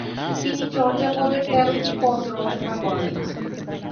তিনি চর্যাপদের তেরোটি পদ রচনা করেন।